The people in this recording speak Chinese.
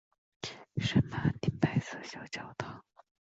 圣马丁白色小教堂。